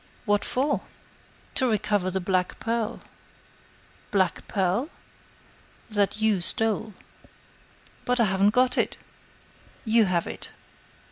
"What for?" "To recover the black pearl." "Black pearl?" "That you stole." "But I haven't got it." "You have it."